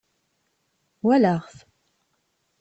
Wallaɣ-t